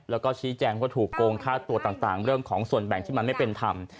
แล้วก็ชี้แจงว่าถูกโกงค่าตัวต่างเรื่องของส่วนแบ่งที่มันไม่เป็นธรรม